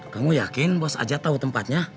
kamu yakin bos aja tahu tempatnya